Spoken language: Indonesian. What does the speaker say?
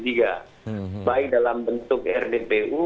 baik dalam bentuk rdpu